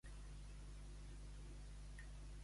Ser un estaferm.